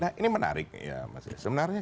nah ini menarik sebenarnya